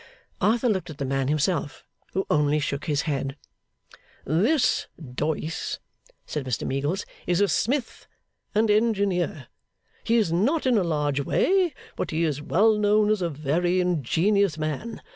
Arthur looked at the man himself, who only shook his head. 'This Doyce,' said Mr Meagles, 'is a smith and engineer. He is not in a large way, but he is well known as a very ingenious man.